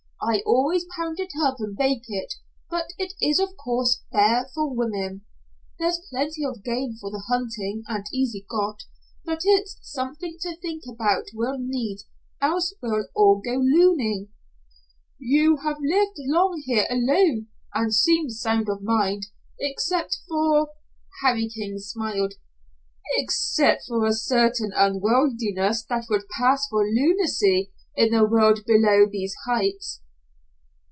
I always pound it up and bake it, but it is coarse fare for women. There's plenty of game for the hunting, and easy got, but it's something to think about we'll need, else we'll all go loony." "You have lived long here alone and seem sound of mind, except for " Harry King smiled, "except for a certain unworldliness that would pass for lunacy in the world below these heights."